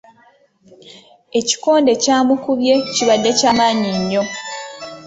Ekikonde ky'amukubye kibadde kya maanyi nnyo.